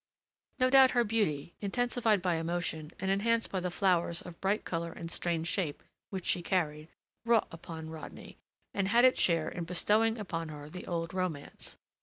No doubt her beauty, intensified by emotion and enhanced by the flowers of bright color and strange shape which she carried wrought upon Rodney, and had its share in bestowing upon her the old romance.